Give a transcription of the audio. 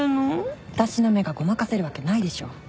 私の目がごまかせるわけないでしょ。